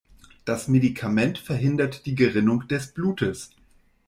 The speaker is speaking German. Das Medikament verhindert die Gerinnung des Blutes.